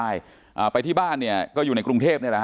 ที่โพสต์ก็คือเพื่อต้องการจะเตือนเพื่อนผู้หญิงในเฟซบุ๊คเท่านั้นค่ะ